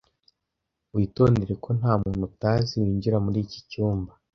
Witondere ko nta muntu utazi winjira muri iki cyumba.